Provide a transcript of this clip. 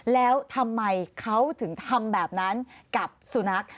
แล้วทำไมเขาถึงทำแบบนั้นกับสุนัข